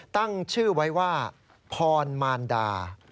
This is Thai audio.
ตั้งชื่อไว้ว่าพรมารดา